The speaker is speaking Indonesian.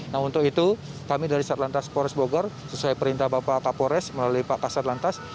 nah untuk itu kami dari satlantas polres bogor sesuai perintah bapak kapolres melalui pak kasat lantas